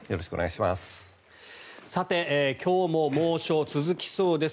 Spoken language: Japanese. さて、今日も猛暑が続きそうです。